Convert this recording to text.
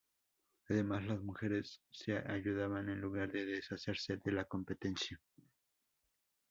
Además, las mujeres se ayudaban en lugar de deshacerse de la competencia.